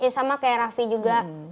sama kayak raffi juga